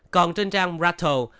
còn trên trang rattle